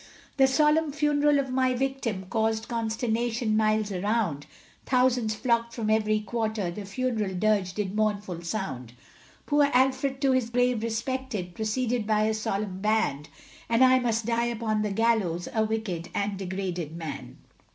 The solemn funeral of my victim, Caused consternation miles around, Thousands flocked from every quarter, The funeral dirge did mournful sound; Poor Alfred, to his grave respected, Proceeded by a solemn band, And I must die upon the gallows, A wicked and degraded man.